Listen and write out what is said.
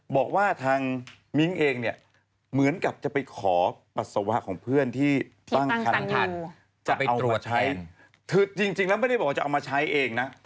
บอกว่าทางมิ้งเองเนี่ยเหมือนกับจะไปขอปัสสาวะของเพื่อนที่ตั้งคันทันจะไปตรวจใช้คือจริงแล้วไม่ได้บอกว่าจะเอามาใช้เองนะ